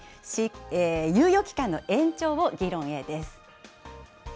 猶予期間の延長を議論へです。